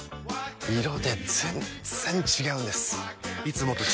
色で全然違うんです！